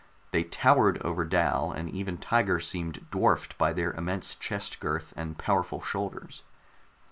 They towered over Dal, and even Tiger seemed dwarfed by their immense chest girth and powerful shoulders.